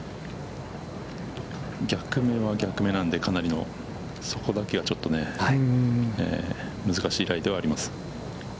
逆目は逆目なんで、そこだけはちょっと難しいライではあります。